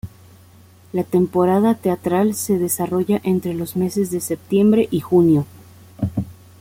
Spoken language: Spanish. La temporada teatral se desarrolla entre los meses de septiembre y junio.